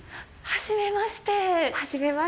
はじめまして。